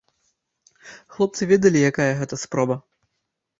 Хлопцы ведалі, якая гэта спроба.